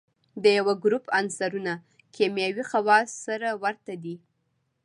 د یوه ګروپ عنصرونه کیمیاوي خواص سره ورته دي.